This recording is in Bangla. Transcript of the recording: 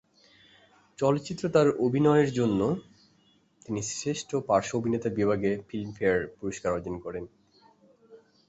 চলচ্চিত্র তার অভিনয়ের জন্য তিনি শ্রেষ্ঠ পার্শ্ব অভিনেতা বিভাগে ফিল্মফেয়ার পুরস্কার অর্জন করেন।